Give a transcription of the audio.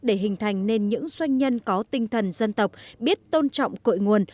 để hình thành nên những doanh nhân có tinh thần dân tộc biết tôn trọng cội nguồn